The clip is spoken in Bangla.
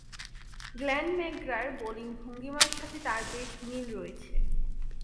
গ্লেন ম্যাকগ্রা’র বোলিং ভঙ্গীমার সাথে তার বেশ মিল রয়েছে।